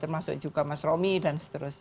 termasuk juga mas romi dan seterusnya